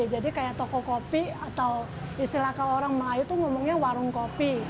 jadi kayak toko kopi atau istilah orang melayu itu ngomongnya warung kopi